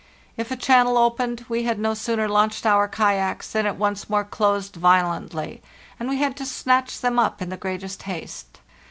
If a channel opened, we had no sooner launched our kayaks than it once more closed violently, and we had to snatch them up in the greatest haste.